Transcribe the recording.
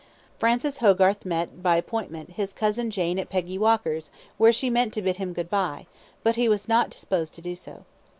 Francis Hogarth met, by appointment, his cousin Jane at Peggy Walker's, where she meant to bid him good bye, but he was not disposed to do so.